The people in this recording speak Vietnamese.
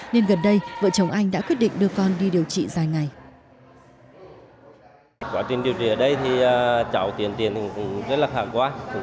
nên gần đây vợ chồng anh đã quyết định đưa con đi điều trị dài ngày